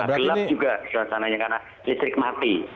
gelap juga di sana karena listrik mati